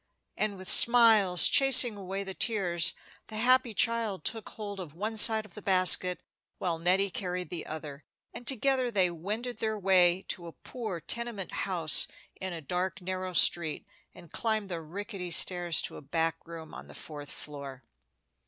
And with smiles chasing away the tears, the happy child took hold of one side of the basket, while Nettie carried the other, and together they wended their way to a poor tenement house in a dark narrow street, and climbed the rickety stairs to a back room on the fourth floor.